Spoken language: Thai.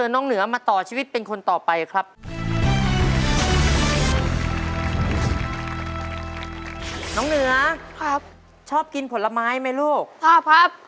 น้องเหนือชอบกินผลไม้ไหมลูกชอบครับ